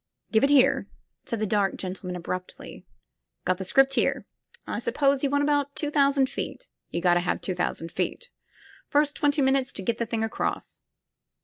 ''Give it here," said the dark gentleman abruptly. "Got the 'script here? I s'pose you want about two thousand feet. You gotta have two thousand feet. First twenty minutes to get the thing across.